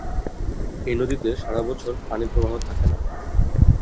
এই নদীতে সারাবছর পানিপ্রবাহ থাকে না।